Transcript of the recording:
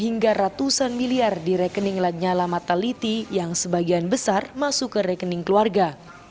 hingga ratusan miliar di rekening lanyala mataliti yang sebagian besar masuk ke rekening keluarga